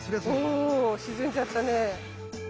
お沈んじゃったね。